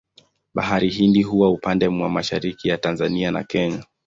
Bahari Hindi huwa upande mwa mashariki ya Tanzania na Kenya.